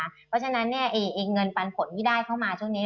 เพราะฉะนั้นเงินปันผลที่ได้เข้ามาช่วงนี้